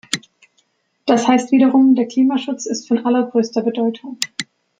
Das heißt wiederum, der Klimaschutz ist von allergrößter Bedeutung.